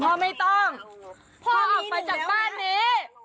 พ่อไม่ต้องพ่อออกมาจากบ้านนี้